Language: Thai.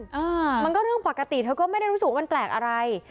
อ่ามันก็เรื่องปกติเธอก็ไม่ได้รู้สึกว่ามันแปลกอะไร